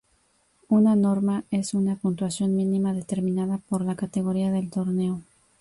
Una norma es una puntuación mínima determinada por la categoría del torneo.